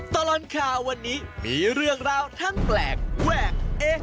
ตลอดข่าววันนี้มีเรื่องราวทั้งแปลกแวกเอ๊